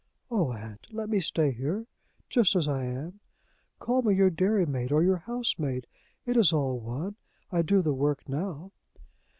"O aunt! let me stay here just as I am. Call me your dairymaid or your housemaid. It is all one I do the work now."